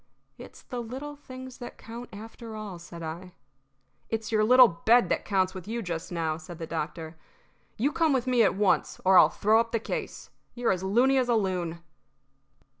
"It's the little things that count, after all," said I. "It's your little bed that counts with you just now," said the doctor. "You come with me at once, or I'll throw up the case. 'You're as loony as a loon."